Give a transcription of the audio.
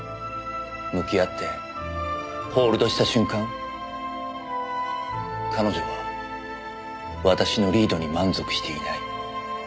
向き合ってホールドした瞬間彼女は私のリードに満足していない。